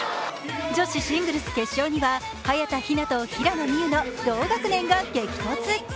女子シングルス決勝には早田ひなと平野美宇の同学年が激突。